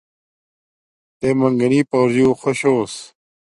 تے منگنی پورجی اُݹ خوش ہݸس